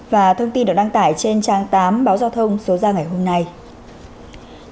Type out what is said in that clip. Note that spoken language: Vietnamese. và thông tin được đăng tải trên trang truyền hình công an nhân dân